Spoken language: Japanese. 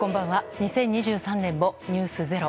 ２０２３年も「ｎｅｗｓｚｅｒｏ」